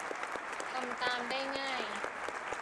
ทำตามได้ง่าย